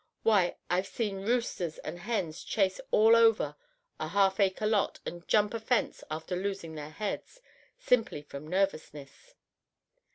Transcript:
Why, I've seen roosters and hens chase all over a half acre lot and jump a fence after losing their heads, simply from nervousness.